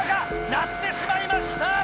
鳴ってしまいました。